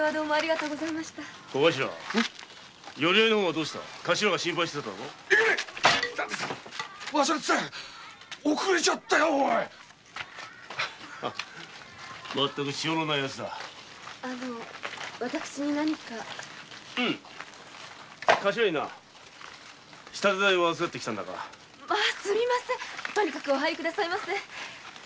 とにかくお入り下さいませ。